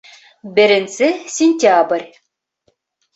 БЕРЕНСЕ СЕНТЯБРЬ